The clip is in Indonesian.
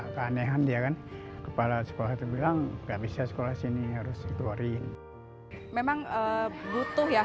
keanehan dia kan kepala sepuluh bilang gak bisa sekolah sini harus dikeluarin memang butuh ya